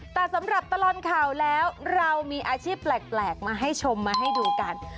แต่สำหรับตลอดข่าวแล้วเรามีอาชีพแปลกมาให้ชมมาให้ดูกัน